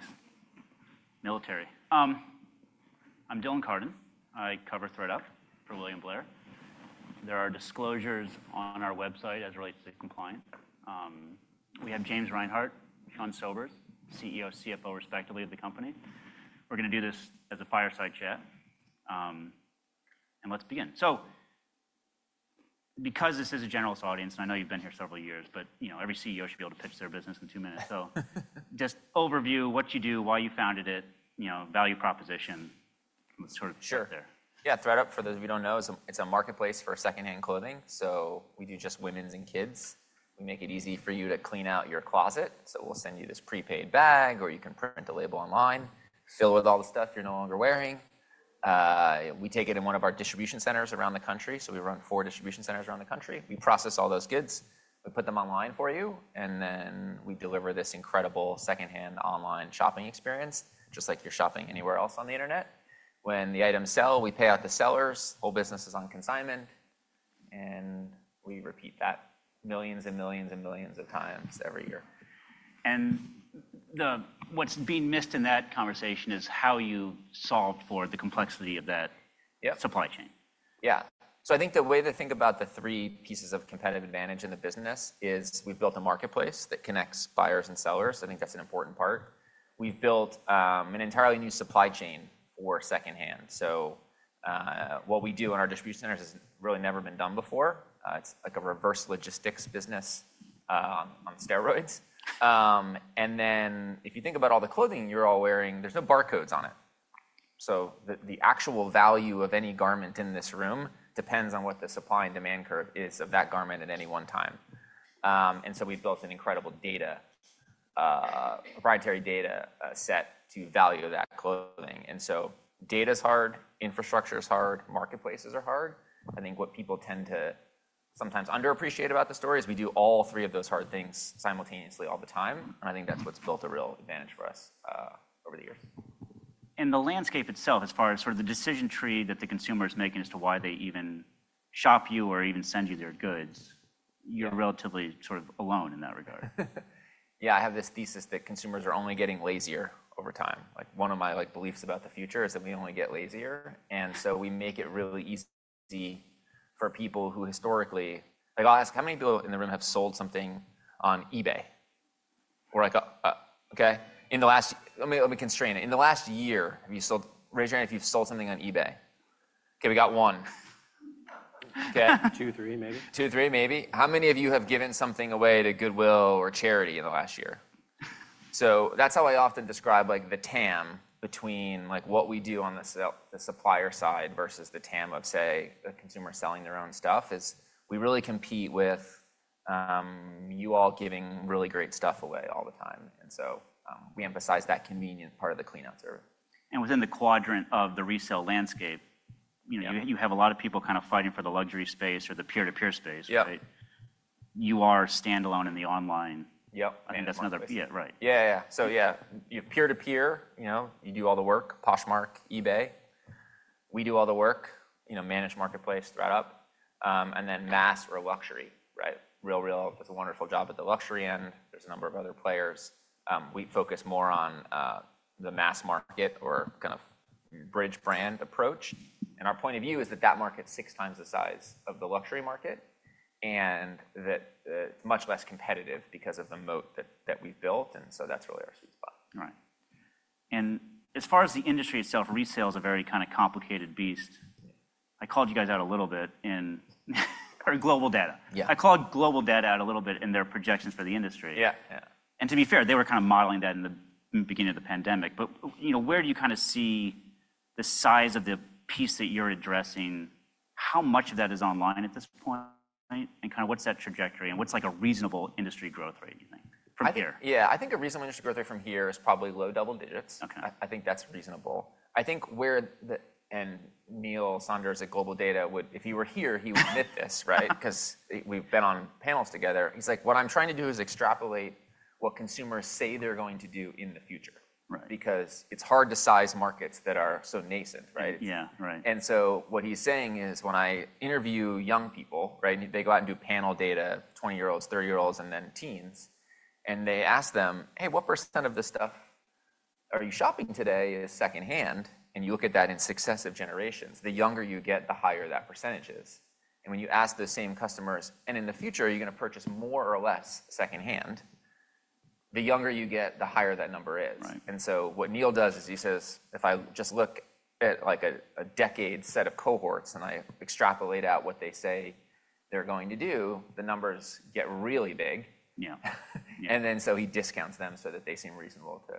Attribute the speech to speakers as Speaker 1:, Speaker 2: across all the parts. Speaker 1: Nice. Military. I'm Dylan Carden. I cover ThredUp for William Blair. There are disclosures on our website as it relates to compliance. We have James Reinhart, Sean Sobers, CEO, CFO respectively of the company. We're gonna do this as a fireside chat. Let's begin. Because this is a generalist audience, and I know you've been here several years, but, you know, every CEO should be able to pitch their business in two minutes. Just overview what you do, why you founded it, you know, value proposition, sort of start there.
Speaker 2: Sure. Yeah. ThredUp, for those of you who do not know, it is a marketplace for secondhand clothing. We do just women's and kids. We make it easy for you to clean out your closet. We will send you this prepaid bag, or you can print a label online, fill it with all the stuff you are no longer wearing. We take it in one of our distribution centers around the country. We run four distribution centers around the country. We process all those goods. We put them online for you. We deliver this incredible secondhand online shopping experience, just like you are shopping anywhere else on the internet. When the items sell, we pay out the sellers. Whole business is on consignment. We repeat that millions and millions and millions of times every year.
Speaker 1: What's being missed in that conversation is how you solve for the complexity of that supply chain.
Speaker 2: Yeah. I think the way to think about the three pieces of competitive advantage in the business is we've built a marketplace that connects buyers and sellers. I think that's an important part. We've built an entirely new supply chain for secondhand. What we do in our distribution centers has really never been done before. It's like a reverse logistics business on steroids. If you think about all the clothing you're all wearing, there's no barcodes on it. The actual value of any garment in this room depends on what the supply and demand curve is of that garment at any one time. We've built an incredible, proprietary data set to value that clothing. Data's hard, infrastructure's hard, marketplaces are hard. I think what people tend to sometimes underappreciate about the story is we do all three of those hard things simultaneously all the time. I think that's what's built a real advantage for us, over the years.
Speaker 1: The landscape itself, as far as sort of the decision tree that the consumer's making as to why they even shop you or even send you their goods, you're relatively sort of alone in that regard.
Speaker 2: Yeah. I have this thesis that consumers are only getting lazier over time. Like, one of my, like, beliefs about the future is that we only get lazier. And so we make it really easy for people who historically, like, I'll ask, how many people in the room have sold something on eBay? Or like, okay. In the last, let me, let me constrain it. In the last year, have you sold, raise your hand if you've sold something on eBay? Okay. We got one. Okay.
Speaker 3: Two, three maybe.
Speaker 2: Two, three maybe. How many of you have given something away to Goodwill or charity in the last year? That is how I often describe, like, the TAM between, like, what we do on the sell, the supplier side versus the TAM of, say, a consumer selling their own stuff is we really compete with you all giving really great stuff away all the time. We emphasize that convenience part of the cleanup service.
Speaker 1: Within the quadrant of the resale landscape, you know, you have a lot of people kind of fighting for the luxury space or the peer-to-peer space, right?
Speaker 2: Yeah.
Speaker 1: You are standalone in the online.
Speaker 2: Yep.
Speaker 1: I think that's another, yeah, right.
Speaker 2: Yeah, yeah. So yeah, you have peer-to-peer, you know, you do all the work, Poshmark, eBay. We do all the work, you know, managed marketplace, ThredUp. and then mass or luxury, right? The RealReal does a wonderful job at the luxury end. There's a number of other players. we focus more on, the mass market or kind of bridge brand approach. And our point of view is that that market's six times the size of the luxury market and that it's much less competitive because of the moat that, that we've built. And so that's really our sweet spot.
Speaker 1: All right. As far as the industry itself, resale's a very kind of complicated beast. I called you guys out a little bit in our GlobalData.
Speaker 2: Yeah.
Speaker 1: I called GlobalData out a little bit in their projections for the industry.
Speaker 2: Yeah.
Speaker 1: To be fair, they were kind of modeling that in the beginning of the pandemic. But, you know, where do you kind of see the size of the piece that you're addressing, how much of that is online at this point, and kind of what's that trajectory and what's like a reasonable industry growth rate, you think, from here?
Speaker 2: Yeah. I think a reasonable industry growth rate from here is probably low double digits.
Speaker 1: Okay.
Speaker 2: I think that's reasonable. I think where the, and Neil Saunders at GlobalData would, if you were here, he would admit this, right? Cause we've been on panels together. He's like, what I'm trying to do is extrapolate what consumers say they're going to do in the future.
Speaker 1: Right.
Speaker 2: Because it's hard to size markets that are so nascent, right?
Speaker 1: Yeah. Right.
Speaker 2: What he's saying is when I interview young people, right, they go out and do panel data, 20-year-olds, 30-year-olds, and then teens, and they ask them, hey, what percent of the stuff are you shopping today is secondhand? You look at that in successive generations. The younger you get, the higher that percentage is. When you ask the same customers, and in the future, are you gonna purchase more or less secondhand? The younger you get, the higher that number is.
Speaker 1: Right.
Speaker 2: What Neil does is he says, if I just look at like a decade's set of cohorts and I extrapolate out what they say they're going to do, the numbers get really big.
Speaker 1: Yeah.
Speaker 2: He discounts them so that they seem reasonable to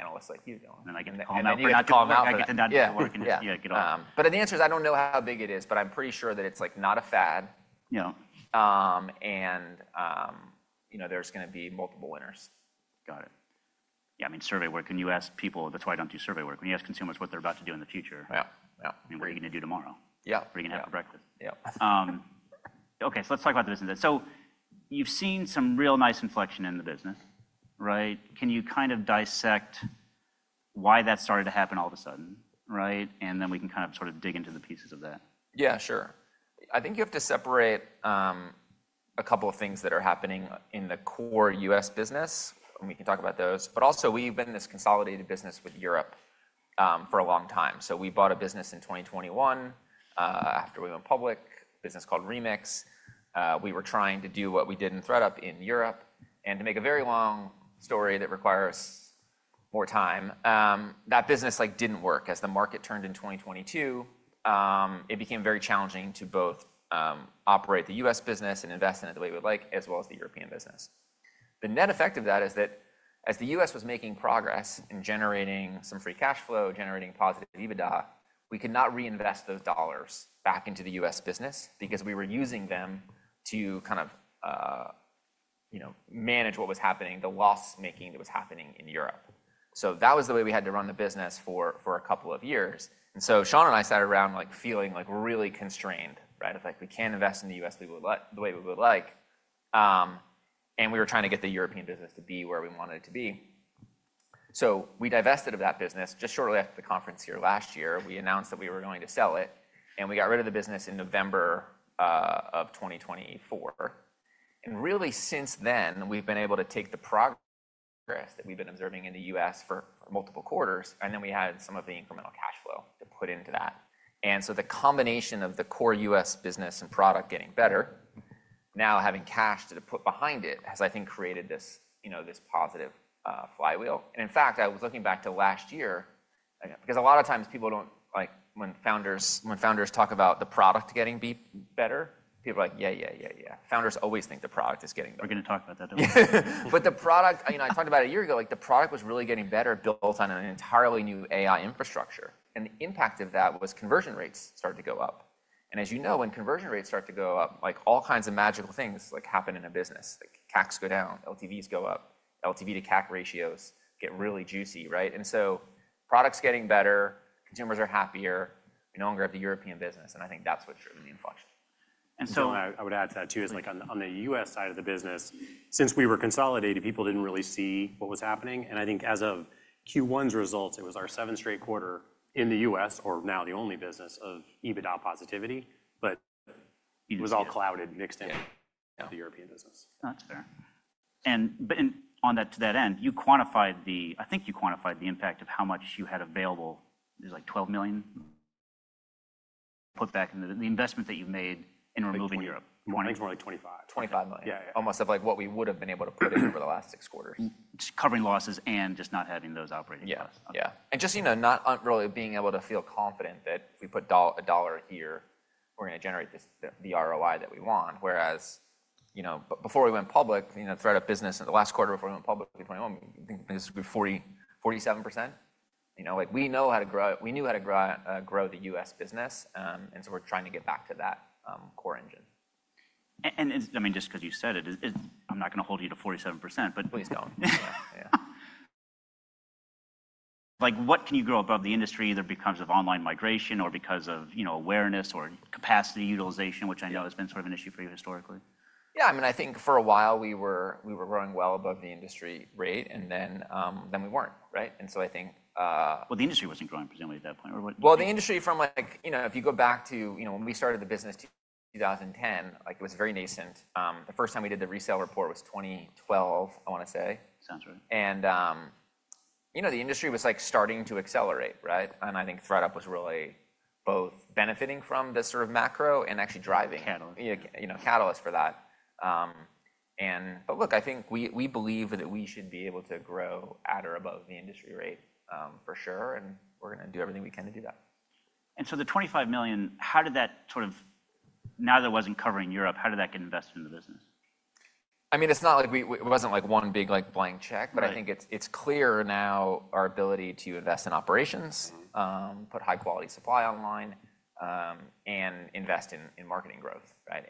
Speaker 2: analysts like you.
Speaker 1: I get the call out. I get the dynamic work.
Speaker 2: Yeah.
Speaker 1: Yeah.
Speaker 2: The answer is I don't know how big it is, but I'm pretty sure that it's like not a fad.
Speaker 1: Yeah.
Speaker 2: and, you know, there's gonna be multiple winners.
Speaker 1: Got it. Yeah. I mean, survey work, when you ask people, that's why I don't do survey work. When you ask consumers what they're about to do in the future.
Speaker 2: Yeah. Yeah.
Speaker 1: I mean, what are you gonna do tomorrow?
Speaker 2: Yeah.
Speaker 1: What are you gonna have for breakfast?
Speaker 2: Yeah.
Speaker 1: Okay. So let's talk about the business. You've seen some real nice inflection in the business, right? Can you kind of dissect why that started to happen all of a sudden, right? And then we can kind of sort of dig into the pieces of that.
Speaker 2: Yeah. Sure. I think you have to separate a couple of things that are happening in the core US business. We can talk about those. Also, we've been this consolidated business with Europe for a long time. We bought a business in 2021, after we went public, a business called Remix. We were trying to do what we did in ThredUp in Europe. To make a very long story that requires more time, that business, like, did not work. As the market turned in 2022, it became very challenging to both operate the US business and invest in it the way we would like, as well as the European business. The net effect of that is that as the US was making progress in generating some free cash flow, generating positive EBITDA, we could not reinvest those dollars back into the US business because we were using them to kind of, you know, manage what was happening, the loss-making that was happening in Europe. That was the way we had to run the business for a couple of years. Sean and I sat around, like, feeling like we're really constrained, right? It's like we can't invest in the US the way we would like. We were trying to get the European business to be where we wanted it to be. We divested of that business just shortly after the conference here last year. We announced that we were going to sell it, and we got rid of the business in November of 2024. Really since then, we've been able to take the progress that we've been observing in the US for multiple quarters, and then we had some of the incremental cash flow to put into that. The combination of the core US business and product getting better, now having cash to put behind it has, I think, created this, you know, this positive flywheel. In fact, I was looking back to last year, because a lot of times people don't, like, when founders talk about the product getting better, people are like, yeah, yeah, yeah, yeah. Founders always think the product is getting better.
Speaker 1: We're gonna talk about that.
Speaker 2: The product, you know, I talked about it a year ago, like the product was really getting better built on an entirely new AI infrastructure. The impact of that was conversion rates started to go up. As you know, when conversion rates start to go up, like all kinds of magical things, like, happen in a business. Like CACs go down, LTVs go up, LTV to CAC ratios get really juicy, right? Product's getting better, consumers are happier, we no longer have the European business. I think that's what's driven the inflection.
Speaker 1: I would add to that too is like on the U.S. side of the business, since we were consolidated, people did not really see what was happening. I think as of Q1's results, it was our seventh straight quarter in the U.S., or now the only business of EBITDA positivity, but it was all clouded, mixed in with the European business.
Speaker 2: That's fair.
Speaker 1: To that end, you quantified the, I think you quantified the impact of how much you had available. It was like $12 million put back into the investment that you've made in removing Europe.
Speaker 2: I think more like $25 million.
Speaker 1: $25 million.
Speaker 2: Yeah. Almost of like what we would've been able to put in over the last six quarters.
Speaker 1: Covering losses and just not having those operating costs.
Speaker 2: Yeah. Yeah. And just, you know, not really being able to feel confident that if we put a dollar here, we're gonna generate the ROI that we want. Whereas, you know, before we went public, you know, ThredUp business in the last quarter before we went public in 2021, I think it was 47%. You know, like we know how to grow, we knew how to grow the US business. and so we're trying to get back to that, core engine.
Speaker 1: I mean, just 'cause you said it, I'm not gonna hold you to 47%, but.
Speaker 2: Please don't.
Speaker 1: Yeah. Like what can you grow above the industry either because of online migration or because of, you know, awareness or capacity utilization, which I know has been sort of an issue for you historically?
Speaker 2: Yeah. I mean, I think for a while we were growing well above the industry rate, and then we weren't, right? And so I think,
Speaker 1: The industry wasn't growing presumably at that point.
Speaker 2: The industry from like, you know, if you go back to, you know, when we started the business 2010, like it was very nascent. The first time we did the resale report was 2012, I wanna say.
Speaker 1: Sounds right.
Speaker 2: You know, the industry was like starting to accelerate, right? I think ThredUp was really both benefiting from this sort of macro and actually driving.
Speaker 1: Catalyst.
Speaker 2: You know, Catalyst for that. But look, I think we believe that we should be able to grow at or above the industry rate, for sure. And we're gonna do everything we can to do that.
Speaker 1: The $25 million, how did that sort of, now that it was not covering Europe, how did that get invested in the business?
Speaker 2: I mean, it's not like we, it wasn't like one big, like blank check, but I think it's, it's clear now our ability to invest in operations, put high-quality supply online, and invest in, in marketing growth, right?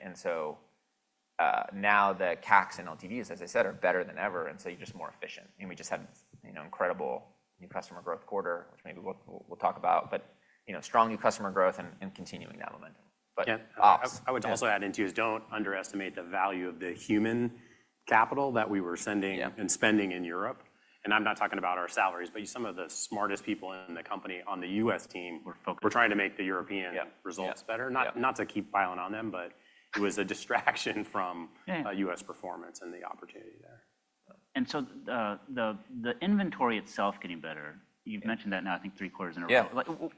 Speaker 2: Now the CACs and LTVs, as I said, are better than ever. You're just more efficient. We just had, you know, incredible new customer growth quarter, which maybe we'll, we'll talk about, you know, strong new customer growth and continuing that momentum. Ops.
Speaker 1: I would also add into is don't underestimate the value of the human capital that we were sending and spending in Europe. And I'm not talking about our salaries, but some of the smartest people in the company on the U.S. team.
Speaker 2: We're focused.
Speaker 1: We're trying to make the European results better. Not to keep piling on them, but it was a distraction from U.S. performance and the opportunity there. The inventory itself getting better, you've mentioned that now, I think, three quarters in a row.
Speaker 2: Yeah.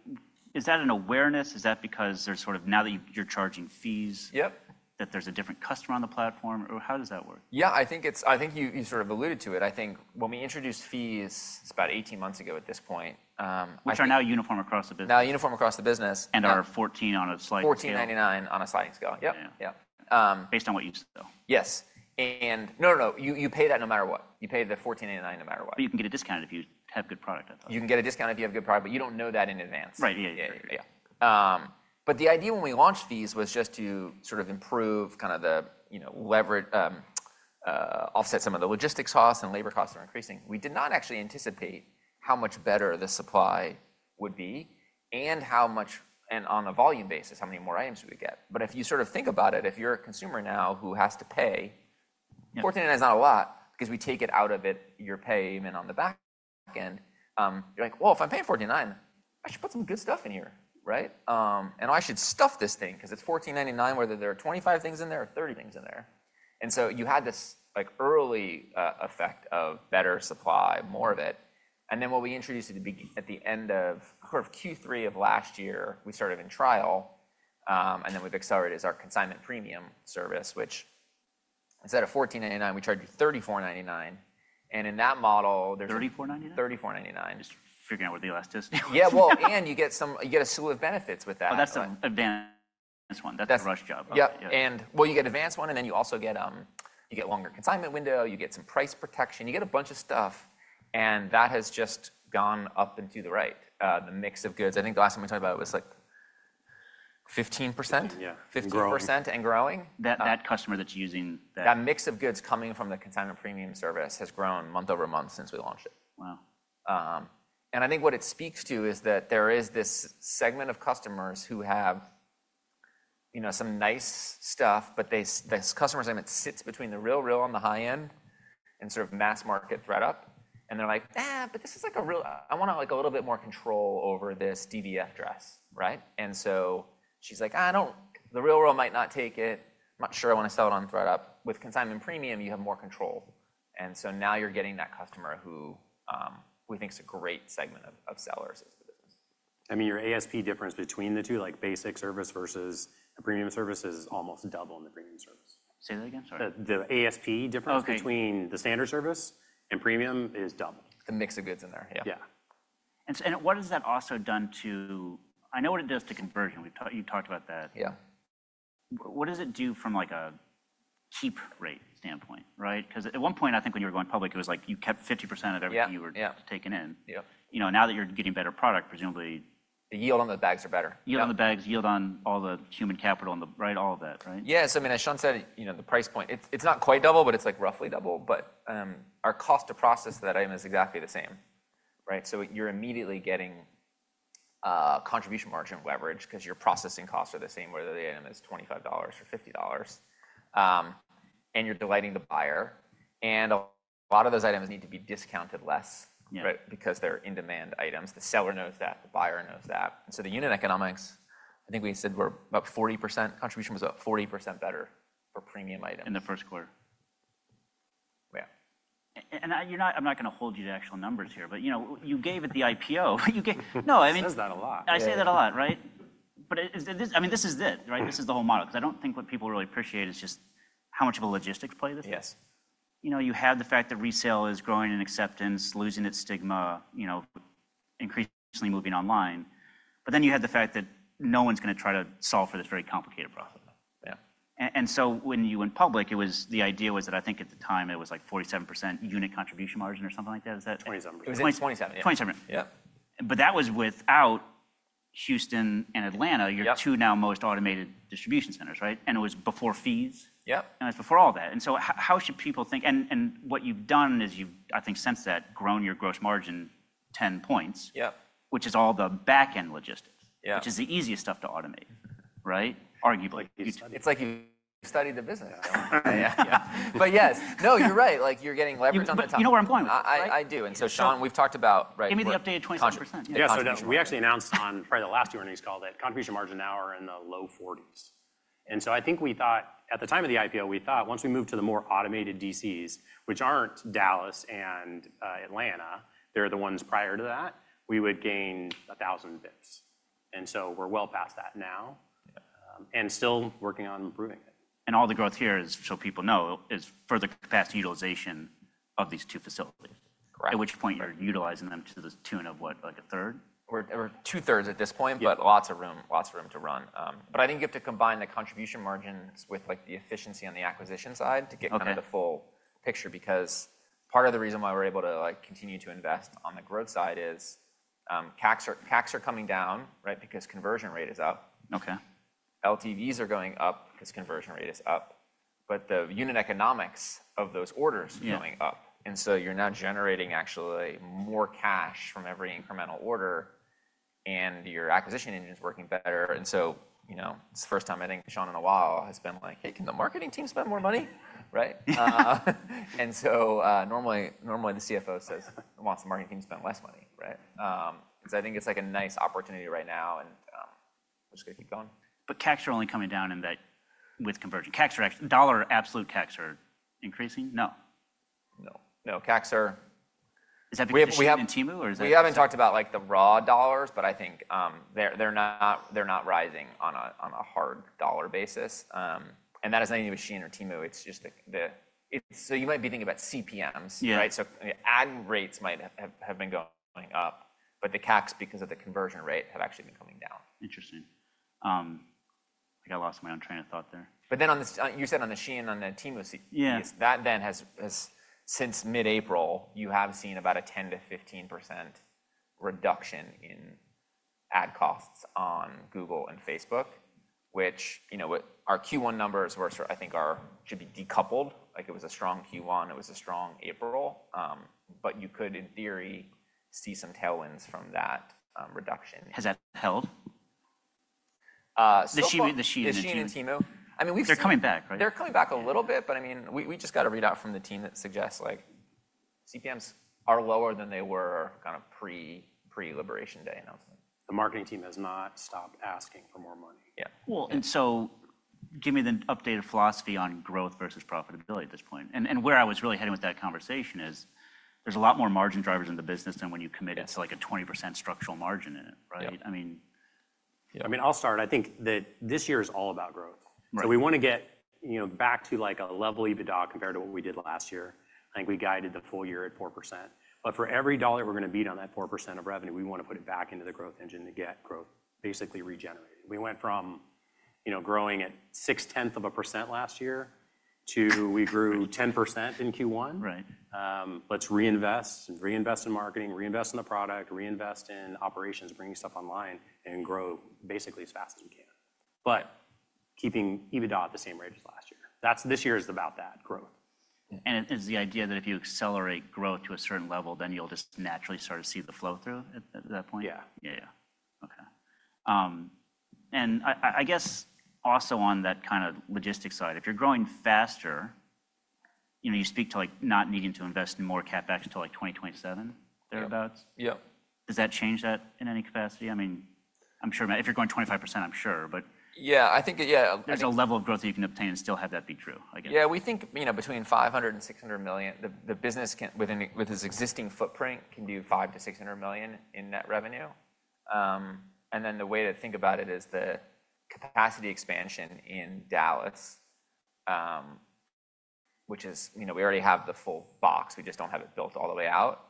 Speaker 1: Is that an awareness? Is that because there's sort of now that you're charging fees?
Speaker 2: Yep.
Speaker 1: That there's a different customer on the platform? Or how does that work?
Speaker 2: Yeah. I think you sort of alluded to it. I think when we introduced fees about 18 months ago at this point,
Speaker 1: Which are now uniform across the business.
Speaker 2: Now uniform across the business.
Speaker 1: Are $14 on a sliding scale.
Speaker 2: $14.99 on a sliding scale. Yep.
Speaker 1: Yeah.
Speaker 2: Yep.
Speaker 1: Based on what you sell.
Speaker 2: Yes. No, no, no. You pay that no matter what. You pay the $14.99 no matter what.
Speaker 1: You can get a discount if you have good product, I thought.
Speaker 2: You can get a discount if you have good product, but you don't know that in advance.
Speaker 1: Right. Yeah.
Speaker 2: Yeah. Yeah. The idea when we launched fees was just to sort of improve kind of the, you know, leverage, offset some of the logistics costs and labor costs that are increasing. We did not actually anticipate how much better the supply would be and how much, and on a volume basis, how many more items we would get. If you sort of think about it, if you're a consumer now who has to pay, $14.99 is not a lot because we take it out of your payment on the backend, you're like, well, if I'm paying $14.99, I should put some good stuff in here, right? I should stuff this thing 'cause it's $14.99 whether there are 25 things in there or 30 things in there. You had this early effect of better supply, more of it. What we introduced at the end of sort of Q3 of last year, we started in trial, and then we've accelerated our Consignment Premium Service, which instead of $14.99, we tried to do $34.99. In that model, there's.
Speaker 1: $34.99?
Speaker 2: $34.99.
Speaker 1: Just figuring out what the last is.
Speaker 2: Yeah. You get some, you get a slew of benefits with that.
Speaker 1: That's the advanced one. That's the rush job.
Speaker 2: Yep. You get advanced one and then you also get, you get longer consignment window, you get some price protection, you get a bunch of stuff, and that has just gone up and to the right. The mix of goods, I think the last time we talked about it was like 15%.
Speaker 1: Yeah.
Speaker 2: 15% and growing.
Speaker 1: That customer that's using that.
Speaker 2: That mix of goods coming from the Consignment Premium Service has grown month over month since we launched it.
Speaker 1: Wow.
Speaker 2: I think what it speaks to is that there is this segment of customers who have, you know, some nice stuff, but this customer segment sits between The RealReal on the high end and sort of mass market ThredUp. They're like, this is like a real, I want a little bit more control over this DVF dress, right? She's like, I don't, The RealReal might not take it. I'm not sure I wanna sell it on ThredUp. With Consignment Premium, you have more control. Now you're getting that customer who we think is a great segment of sellers of the business.
Speaker 1: I mean, your ASP difference between the two, like basic service versus a premium service, is almost double in the premium service.
Speaker 2: Say that again. Sorry.
Speaker 1: The ASP difference between the standard service and premium is double.
Speaker 2: The mix of goods in there. Yeah.
Speaker 1: Yeah. And what has that also done to, I know what it does to conversion. We've talked, you've talked about that.
Speaker 2: Yeah.
Speaker 1: What does it do from like a keep rate standpoint, right? 'Cause at one point I think when you were going public, it was like you kept 50% of everything you were taking in.
Speaker 2: Yeah. Yeah.
Speaker 1: You know, now that you're getting better product, presumably.
Speaker 2: The yield on the bags are better.
Speaker 1: Yield on the bags, yield on all the human capital, right? All of that, right?
Speaker 2: Yeah. So I mean, as Sean said, you know, the price point, it's, it's not quite double, but it's like roughly double. But our cost to process that item is exactly the same, right? So you're immediately getting contribution margin leverage 'cause your processing costs are the same, whether the item is $25 or $50. And you're delighting the buyer. And a lot of those items need to be discounted less, right? Because they're in-demand items. The seller knows that, the buyer knows that. And so the unit economics, I think we said we're about 40% contribution was about 40% better for premium items.
Speaker 1: In the first quarter.
Speaker 2: Yeah.
Speaker 1: I, you're not, I'm not gonna hold you to actual numbers here, but you know, you gave it the IPO. You gave, no, I mean.
Speaker 2: It says that a lot.
Speaker 1: I say that a lot, right? But it, this, I mean, this is it, right? This is the whole model. 'Cause I don't think what people really appreciate is just how much of a logistics play this is.
Speaker 2: Yes.
Speaker 1: You know, you have the fact that resale is growing in acceptance, losing its stigma, you know, increasingly moving online. You have the fact that no one's gonna try to solve for this very complicated problem.
Speaker 2: Yeah.
Speaker 1: And so when you went public, it was, the idea was that I think at the time it was like 47% unit contribution margin or something like that. Is that?
Speaker 2: 27%.
Speaker 1: It was like 27.
Speaker 2: Yeah.
Speaker 1: 27.
Speaker 2: Yeah.
Speaker 1: That was without Houston and Atlanta, your two now most automated distribution centers, right? It was before fees.
Speaker 2: Yep.
Speaker 1: It was before all that. How should people think? What you've done is you've, I think since that, grown your gross margin 10%.
Speaker 2: Yeah.
Speaker 1: Which is all the backend logistics.
Speaker 2: Yeah.
Speaker 1: Which is the easiest stuff to automate, right? Arguably.
Speaker 2: It's like you studied the business.
Speaker 1: Yeah.
Speaker 2: Yeah.
Speaker 1: Yes. No, you're right. Like you're getting leverage on the top.
Speaker 2: You know where I'm going with this. I do. And so Sean, we've talked about, right?
Speaker 1: Give me the updated 27%.
Speaker 2: Yeah. So we actually announced on probably the last earnings call that contribution margin now are in the low 40s. I think we thought at the time of the IPO, we thought once we moved to the more automated DCs, which are in Dallas and Atlanta, they're the ones prior to that, we would gain 1,000 basis points. We are well past that now, and still working on improving it.
Speaker 1: All the growth here is, so people know, is for the capacity utilization of these two facilities.
Speaker 2: Correct.
Speaker 1: At which point you're utilizing them to the tune of what, like a third?
Speaker 2: We're two thirds at this point, but lots of room, lots of room to run. I think you have to combine the contribution margins with like the efficiency on the acquisition side to get kind of the full picture. Because part of the reason why we're able to like continue to invest on the growth side is, CACs are, CACs are coming down, right? Because conversion rate is up.
Speaker 1: Okay.
Speaker 2: LTVs are going up 'cause conversion rate is up. But the unit economics of those orders are going up. And so you're now generating actually more cash from every incremental order and your acquisition engine's working better. And so, you know, it's the first time I think Sean in a while has been like, hey, can the marketing team spend more money? Right? and so, normally, normally the CFO says, wants the marketing team to spend less money, right? so I think it's like a nice opportunity right now and, we're just gonna keep going.
Speaker 1: CACs are only coming down in that with conversion. CACs are actually, dollar absolute CACs are increasing, no?
Speaker 2: No. No. CACs are.
Speaker 1: Is that because you're in Temu or is that?
Speaker 2: We haven't talked about like the raw dollars, but I think they're not rising on a hard dollar basis. That isn't any machine or Temu. It's just the, it's, so you might be thinking about CPMs.
Speaker 1: Yeah.
Speaker 2: Right? The ag rates might have been going up, but the CACs, because of the conversion rate, have actually been coming down.
Speaker 1: Interesting. I got lost in my own train of thought there.
Speaker 2: On the Shein and on the Temu seat.
Speaker 1: Yeah.
Speaker 2: That then has, has since mid-April, you have seen about a 10%-15% reduction in ad costs on Google and Facebook, which, you know, our Q1 numbers were sort of, I think our should be decoupled. Like it was a strong Q1, it was a strong April. but you could in theory see some tailwinds from that, reduction.
Speaker 1: Has that held?
Speaker 2: so.
Speaker 1: Shein and Temu?
Speaker 2: The Shein and Temu. I mean, we've.
Speaker 1: They're coming back, right?
Speaker 2: They're coming back a little bit, but I mean, we just got a readout from the team that suggests like CPMs are lower than they were kind of pre, pre-liberation day announcement.
Speaker 1: The marketing team has not stopped asking for more money.
Speaker 2: Yeah.
Speaker 1: Give me the updated philosophy on growth versus profitability at this point. And where I was really heading with that conversation is there's a lot more margin drivers in the business than when you commit it to like a 20% structural margin in it, right? I mean.
Speaker 2: Yeah. I mean, I'll start. I think that this year is all about growth.
Speaker 1: Right.
Speaker 2: We wanna get, you know, back to like a level EBITDA compared to what we did last year. I think we guided the full year at 4%. For every dollar we're gonna beat on that 4% of revenue, we wanna put it back into the growth engine to get growth basically regenerated. We went from, you know, growing at six tenths of a percent last year to we grew 10% in Q1.
Speaker 1: Right.
Speaker 2: Let's reinvest and reinvest in marketing, reinvest in the product, reinvest in operations, bring stuff online and grow basically as fast as we can. Keeping EBITDA at the same rate as last year. This year is about that growth.
Speaker 1: Is it the idea that if you accelerate growth to a certain level, then you'll just naturally start to see the flow through at that point?
Speaker 2: Yeah.
Speaker 1: Yeah. Yeah. Okay. And I, I guess also on that kind of logistics side, if you're growing faster, you know, you speak to like not needing to invest in more CapEx until like 2027, thereabouts?
Speaker 2: Yep. Yep.
Speaker 1: Does that change that in any capacity? I mean, I'm sure if you're going 25%, I'm sure, but.
Speaker 2: Yeah, I think, yeah.
Speaker 1: There's a level of growth that you can obtain and still have that be true again.
Speaker 2: Yeah. We think, you know, between $500 million and $600 million, the business can, with its existing footprint, can do $500 million to $600 million in net revenue. The way to think about it is the capacity expansion in Dallas, which is, you know, we already have the full box, we just do not have it built all the way out.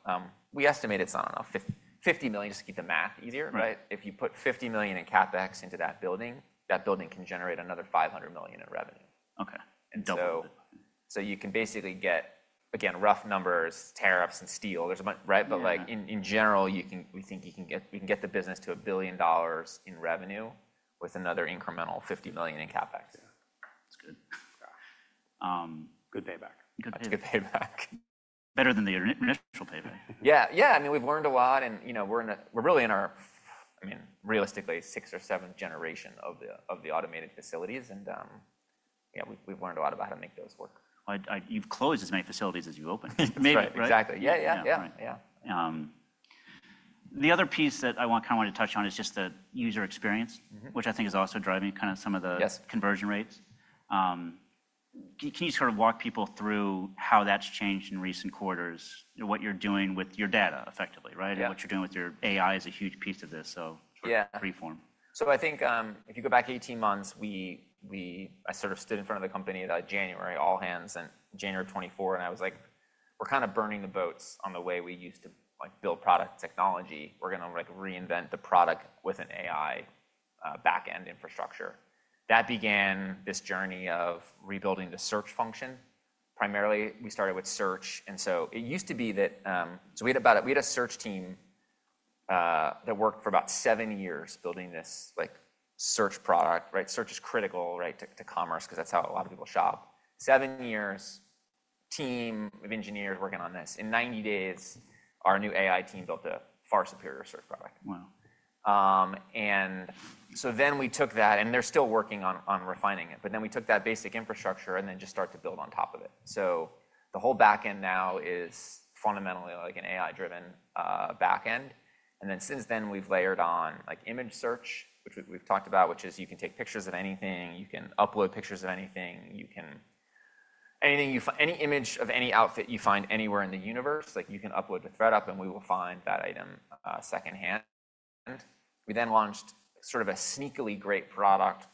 Speaker 2: We estimate it is on a, $50 million, just to keep the math easier, right? If you put $50 million in CapEx into that building, that building can generate another $500 million in revenue.
Speaker 1: Okay. And double.
Speaker 2: You can basically get, again, rough numbers, tariffs and steel, there's a bunch, right? In general, we think you can get, we can get the business to a billion dollars in revenue with another incremental $50 million in CapEx.
Speaker 1: Yeah. That's good.
Speaker 2: Gosh. Good payback.
Speaker 1: Good payback.
Speaker 2: That's a good payback.
Speaker 1: Better than the initial payback.
Speaker 2: Yeah. Yeah. I mean, we've learned a lot and, you know, we're in a, we're really in our, I mean, realistically sixth or seventh generation of the automated facilities. Yeah, we've learned a lot about how to make those work.
Speaker 1: I've closed as many facilities as you opened.
Speaker 2: Right. Exactly. Yeah.
Speaker 1: That's right. Yeah. The other piece that I kinda wanted to touch on is just the user experience.
Speaker 2: Mm-hmm.
Speaker 1: Which I think is also driving kind of some of the.
Speaker 2: Yes.
Speaker 1: Conversion rates. Can you sort of walk people through how that's changed in recent quarters and what you're doing with your data effectively, right?
Speaker 2: Yeah.
Speaker 1: What you're doing with your AI is a huge piece of this.
Speaker 2: Sure.
Speaker 1: Freeform.
Speaker 2: I think, if you go back 18 months, I sort of stood in front of the company at that January all hands in January 2024, and I was like, we're kind of burning the boats on the way we used to build product technology. We're gonna reinvent the product with an AI backend infrastructure. That began this journey of rebuilding the search function. Primarily we started with search. It used to be that we had a search team that worked for about seven years building this search product, right? Search is critical to commerce 'cause that's how a lot of people shop. Seven years, team of engineers working on this. In 90 days, our new AI team built a far superior search product.
Speaker 1: Wow.
Speaker 2: And so then we took that and they're still working on, on refining it. But then we took that basic infrastructure and then just start to build on top of it. The whole backend now is fundamentally like an AI driven, backend. Since then we've layered on like Image Search, which we, we've talked about, which is you can take pictures of anything, you can upload pictures of anything, you can anything you find, any image of any outfit you find anywhere in the universe, like you can upload to ThredUp and we will find that item, secondhand. We then launched sort of a sneakily great product,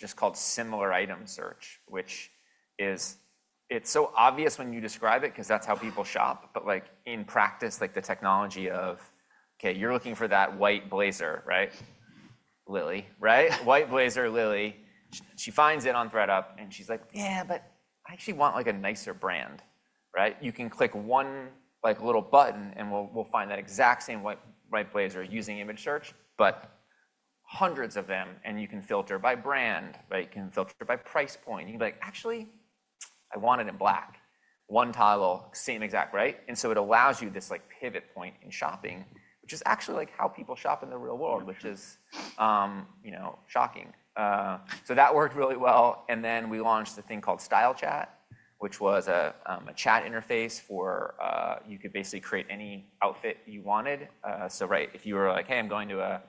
Speaker 2: just called Similar Item Search. Which is, it's so obvious when you describe it 'cause that's how people shop. But like in practice, like the technology of, okay, you're looking for that white blazer, right? Lily, right? White blazer, Lily. She finds it on ThredUp and she's like, yeah, but I actually want like a nicer brand, right? You can click one little button and we'll find that exact same white blazer using image search, but hundreds of them. You can filter by brand, right? You can filter by price point. You can be like, actually, I want it in black. One tile, same exact, right? It allows you this pivot point in shopping, which is actually like how people shop in the real world, which is, you know, shocking. That worked really well. Then we launched the thing called Style Chat, which was a chat interface for, you could basically create any outfit you wanted. So, right, if you were like, hey, I'm going to a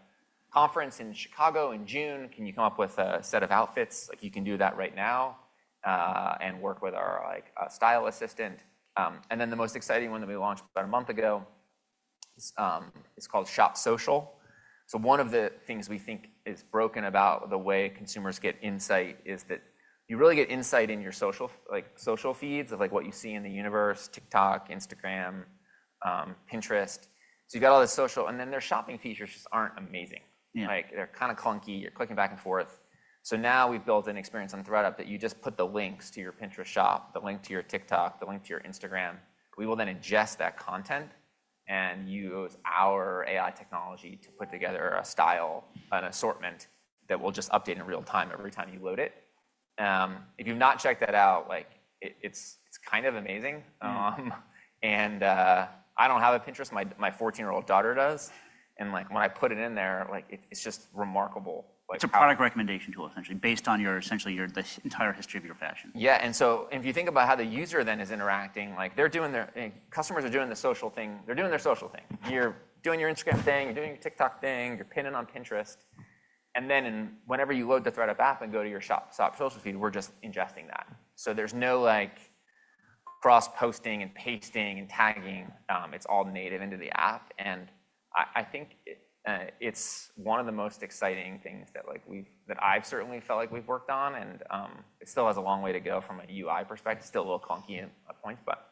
Speaker 2: conference in Chicago in June, can you come up with a set of outfits? Like you can do that right now, and work with our, like, style assistant. And then the most exciting one that we launched about a month ago is called Shop Social. One of the things we think is broken about the way consumers get insight is that you really get insight in your social, like social feeds of, like, what you see in the universe, TikTok, Instagram, Pinterest. So you've got all this social and then their shopping features just aren't amazing. Yeah. Like they're kind of clunky. You're clicking back and forth. Now we've built an experience on ThredUp that you just put the links to your Pinterest shop, the link to your TikTok, the link to your Instagram. We will then ingest that content and use our AI technology to put together a style, an assortment that will just update in real time every time you load it. If you've not checked that out, like it, it's kind of amazing. I don't have a Pinterest. My 14-year-old daughter does. And like when I put it in there, it's just remarkable.
Speaker 1: It's a product recommendation tool essentially based on your, essentially your, the entire history of your fashion.
Speaker 2: Yeah. If you think about how the user then is interacting, like they're doing their, customers are doing the social thing, they're doing their social thing. You're doing your Instagram thing, you're doing your TikTok thing, you're pinning on Pinterest. Whenever you load the ThredUp app and go to your shop, shop social feed, we're just ingesting that. There's no like cross-posting and pasting and tagging. It's all native into the app. I think it, it's one of the most exciting things that like we've, that I've certainly felt like we've worked on. It still has a long way to go from a UI perspective. It's still a little clunky at points, but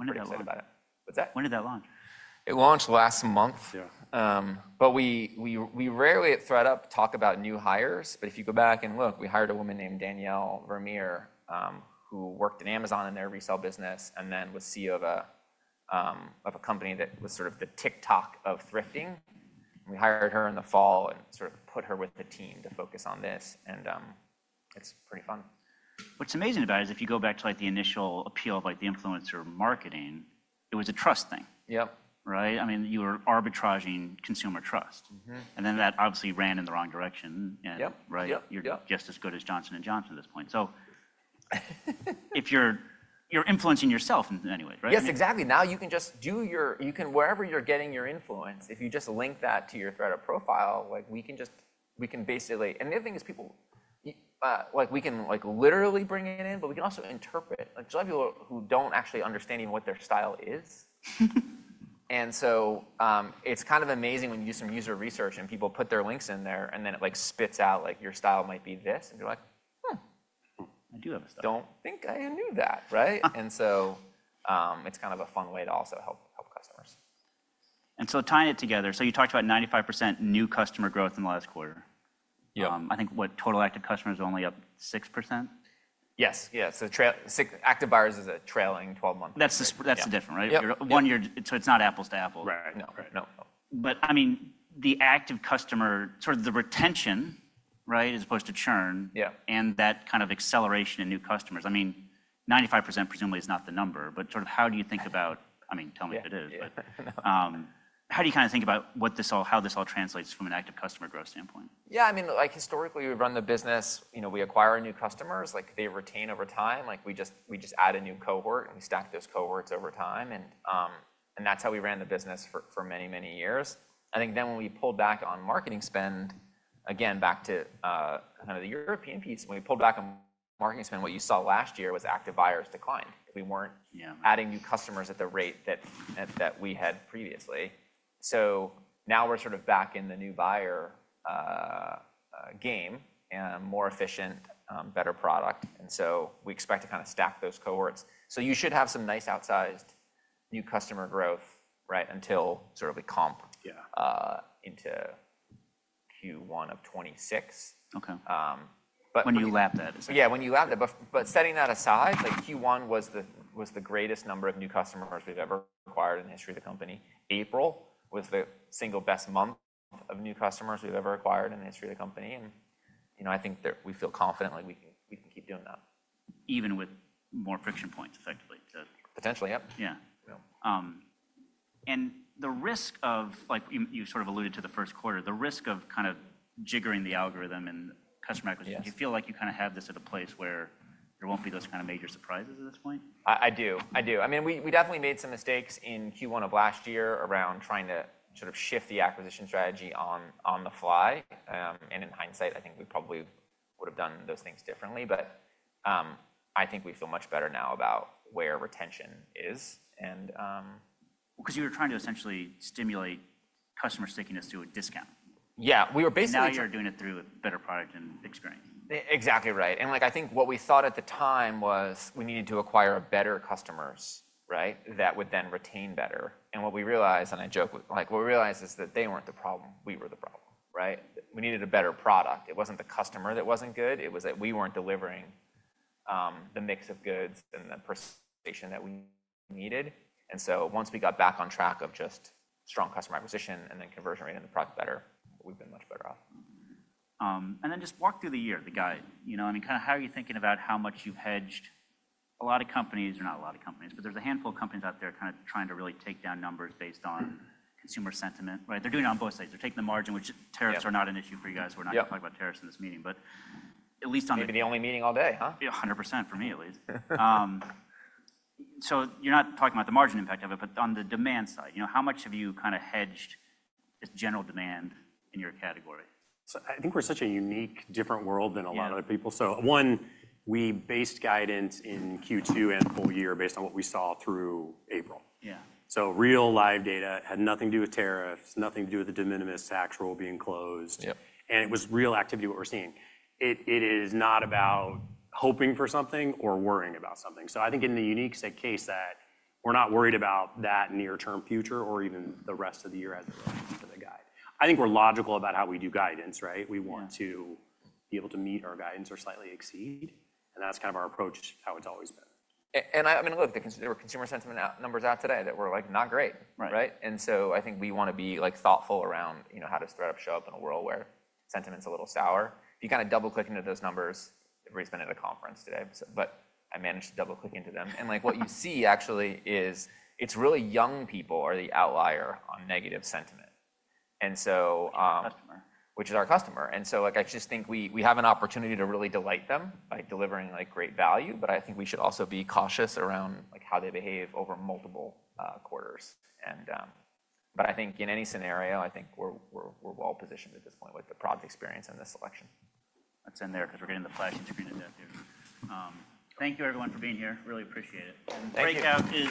Speaker 2: I'm excited about it. What's that?
Speaker 1: When did that launch?
Speaker 2: It launched last month.
Speaker 1: Yeah.
Speaker 2: We rarely at ThredUp talk about new hires, but if you go back and look, we hired a woman named Danielle Vermeer, who worked at Amazon in their resale business and then was CEO of a company that was sort of the TikTok of thrifting. We hired her in the fall and sort of put her with the team to focus on this. And, it's pretty fun.
Speaker 1: What's amazing about it is if you go back to like the initial appeal of like the influencer marketing, it was a trust thing.
Speaker 2: Yep.
Speaker 1: Right? I mean, you were arbitraging consumer trust.
Speaker 2: Mm-hmm.
Speaker 1: That obviously ran in the wrong direction.
Speaker 2: Yep.
Speaker 1: And, right?
Speaker 2: Yep.
Speaker 1: You're just as good as Johnson & Johnson at this point. If you're, you're influencing yourself in any way, right?
Speaker 2: Yes, exactly. Now you can just do your, you can, wherever you're getting your influence, if you just link that to your ThredUp profile, like we can just, we can basically, and the other thing is people, like we can like literally bring it in, but we can also interpret. Like a lot of people who don't actually understand even what their style is. It's kind of amazing when you do some user research and people put their links in there and then it like spits out like your style might be this. And you're like,
Speaker 1: I do have a style.
Speaker 2: Don't think I knew that, right? It's kind of a fun way to also help customers.
Speaker 1: Tying it together, you talked about 95% new customer growth in the last quarter.
Speaker 2: Yep.
Speaker 1: I think what, total active customers are only up 6%?
Speaker 2: Yes. Yeah. So trail active buyers is a trailing 12 month.
Speaker 1: That's the different, right?
Speaker 2: Yep.
Speaker 1: You're one year, so it's not Apple's to Apple.
Speaker 2: Right. No. Right. No.
Speaker 1: I mean, the active customer, sort of the retention, right, as opposed to churn.
Speaker 2: Yeah.
Speaker 1: That kind of acceleration in new customers, I mean, 95% presumably is not the number, but sort of how do you think about, I mean, tell me if it is, but how do you kind of think about what this all, how this all translates from an active customer growth standpoint?
Speaker 2: Yeah. I mean, like historically we've run the business, you know, we acquire new customers, like they retain over time. Like we just add a new cohort and we stack those cohorts over time. That's how we ran the business for many, many years. I think then when we pulled back on marketing spend, again, back to kind of the European piece, when we pulled back on marketing spend, what you saw last year was active buyers declined. We weren't.
Speaker 1: Yeah.
Speaker 2: Adding new customers at the rate that we had previously. Now we're sort of back in the new buyer game and more efficient, better product. We expect to kind of stack those cohorts. You should have some nice outsized new customer growth, right, until we comp.
Speaker 1: Yeah.
Speaker 2: into Q1 of 2026.
Speaker 1: Okay.
Speaker 2: but.
Speaker 1: When you lapped that.
Speaker 2: Yeah. When you lapped it, but setting that aside, like Q1 was the greatest number of new customers we've ever acquired in the history of the company. April was the single best month of new customers we've ever acquired in the history of the company. And, you know, I think that we feel confident like we can, we can keep doing that.
Speaker 1: Even with more friction points effectively too.
Speaker 2: Potentially. Yep.
Speaker 1: Yeah. And the risk of, like you, you sort of alluded to the first quarter, the risk of kind of jiggering the algorithm and customer acquisition.
Speaker 2: Yes.
Speaker 1: Do you feel like you kind of have this at a place where there will not be those kind of major surprises at this point?
Speaker 2: I do. I do. I mean, we definitely made some mistakes in Q1 of last year around trying to sort of shift the acquisition strategy on the fly. In hindsight, I think we probably would've done those things differently. I think we feel much better now about where retention is.
Speaker 1: 'Cause you were trying to essentially stimulate customer stickiness through a discount.
Speaker 2: Yeah. We were basically.
Speaker 1: You're doing it through a better product and experience.
Speaker 2: Exactly. Right. And like I think what we thought at the time was we needed to acquire better customers, right, that would then retain better. What we realized, and I joke with, like what we realized is that they were not the problem. We were the problem, right? We needed a better product. It was not the customer that was not good. It was that we were not delivering, the mix of goods and the persuasion that we needed. Once we got back on track of just strong customer acquisition and then conversion rate on the product better, we have been much better off.
Speaker 1: And then just walk through the year, the guide, you know, I mean, kind of how are you thinking about how much you've hedged? A lot of companies are, not a lot of companies, but there's a handful of companies out there kind of trying to really take down numbers based on consumer sentiment, right? They're doing it on both sides. They're taking the margin, which tariffs are not an issue for you guys. We're not talking about tariffs in this meeting, but at least on the.
Speaker 2: You're gonna be the only meeting all day, huh?
Speaker 1: Yeah. A hundred percent for me at least. You're not talking about the margin impact of it, but on the demand side, you know, how much have you kind of hedged this general demand in your category?
Speaker 3: I think we're such a unique, different world than a lot of other people. One, we based guidance in Q2 and full year based on what we saw through April.
Speaker 1: Yeah.
Speaker 3: Real live data had nothing to do with tariffs, nothing to do with the de minimis tax rule being closed.
Speaker 1: Yep.
Speaker 3: It was real activity what we're seeing. It is not about hoping for something or worrying about something. I think in the unique case that we're not worried about that near-term future or even the rest of the year as it relates to the guide. I think we're logical about how we do guidance, right? We want to be able to meet our guidance or slightly exceed. That's kind of our approach, how it's always been.
Speaker 1: I mean, look, there were consumer sentiment numbers out today that were like not great.
Speaker 3: Right.
Speaker 2: Right? I think we wanna be thoughtful around, you know, how does ThredUp show up in a world where sentiment's a little sour? If you kind of double-click into those numbers, everybody's been at a conference today, but I managed to double-click into them. What you see actually is it's really young people are the outlier on negative sentiment.
Speaker 3: Customer.
Speaker 1: Which is our customer. I just think we have an opportunity to really delight them by delivering great value, but I think we should also be cautious around how they behave over multiple quarters. I think in any scenario, I think we are well positioned at this point with the product experience and the selection.
Speaker 2: That's in there 'cause we're getting the flag screen adapted. Thank you everyone for being here. Really appreciate it.
Speaker 1: Thank you.
Speaker 2: Breakout is.